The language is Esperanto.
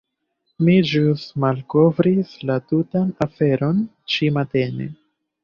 Mi ĵus malkovris la tutan aferon ĉi-matene.